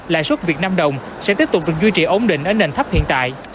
lãi suất việt nam đồng sẽ tiếp tục được duy trì ổn định ở nền thấp hiện tại